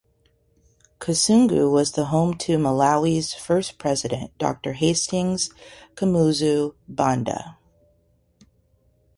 Kasungu was the home to Malawi's first president, Doctor Hastings Kamuzu Banda.